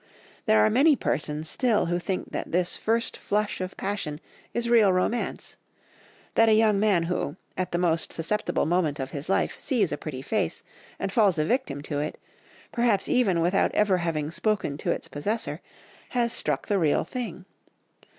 There are many persons still who think that this first flush of passion is real romance; that a young man who, at the most susceptible moment of his life, sees a pretty face, and falls a victim to it, perhaps even without ever having spoken to its possessor, has struck the real thing.